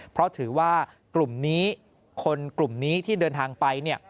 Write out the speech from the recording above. เพราะถือว่ากลุ่มนี้คนกลุ่มนี้ที่เดินทางไป